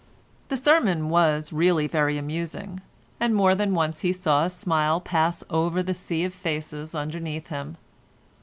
The sermon was really very amusing, and more than once he saw a smile pass over the sea of faces underneath him.